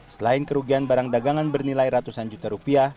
selain kerugian barang dagangan bernilai ratusan juta rupiah